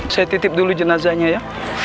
saya titip dulu jenazahnya ya